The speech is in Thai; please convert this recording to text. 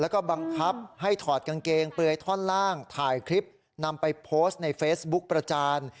แล้วก็บังคับให้ถอดกางเกงเปลือยท่อนล่างถ่ายคลิปนำไปโพสต์ในเฟซบุ๊กประจาน